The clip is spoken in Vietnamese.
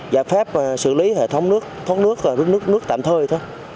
giải pháp xử lý hệ thống nước thoát nước rút nước tạm thời thôi